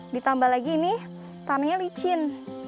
ditambah lagi ini tanahnya licin